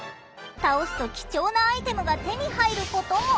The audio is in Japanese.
倒すと貴重なアイテムが手に入ることも。